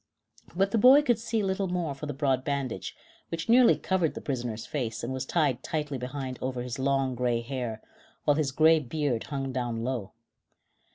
But the boy could see little more for the broad bandage, which nearly covered the prisoner's face and was tied tightly behind over his long, gray hair, while his gray beard hung down low.